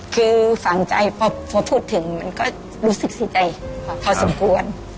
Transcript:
คือฝังใจพอพูดถึงมันก็รู้สึกเสียใจพอสมควร